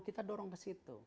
kita dorong ke situ